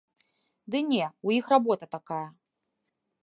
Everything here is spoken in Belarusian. Ды не, у іх работа такая.